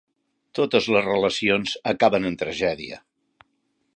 Totes les relacions acaben en tragèdia.